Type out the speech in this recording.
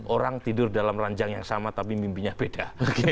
orang tidur dalam ranjang yang sama tapi mimpinya beda